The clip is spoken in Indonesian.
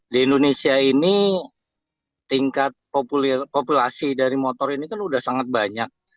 di indonesia ini tingkat populasi dari motor ini kan sudah sangat banyak